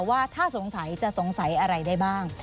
ว่าถ้าสงสัยจะสงสัยอะไรได้บ้าง